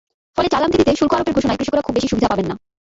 ফলে চাল আমদানিতে শুল্ক আরোপের ঘোষণায় কৃষকেরা খুব বেশি সুবিধা পাবেন না।